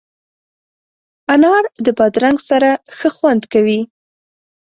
انار د بادرنګ سره ښه خوند کوي.